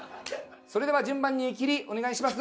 それでは順番に湯切りお願いします。